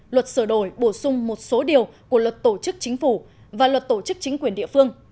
luật sửa đổi bổ sung một số điều của luật tổ chức chính phủ và luật tổ chức chính quyền địa phương